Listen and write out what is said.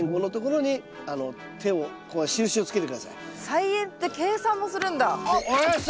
菜園って計算もするんだ。